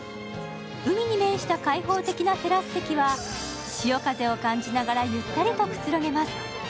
海に面した開放的なテラス席は潮風を感じながらゆったりとくつろげます。